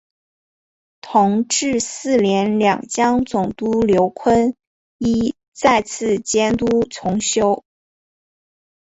同治四年两江总督刘坤一再次监督重修。